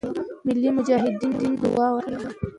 ملی مجاهدینو دعا ورته کړې وه.